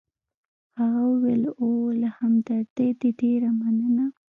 هغه وویل: اوه، له همدردۍ دي ډېره مننه.